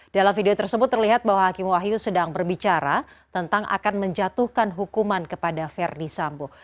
dalam video tersebut terlihat bahwa hakim wahyu sedang berbicara tentang akan menjatuhkan hukuman kepada verdi sambo